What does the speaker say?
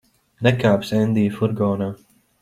Nekāpsi Endija furgonā.